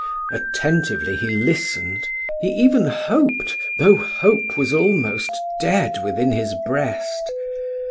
Attentively he listened he even hoped, though hope was almost dead within his breast.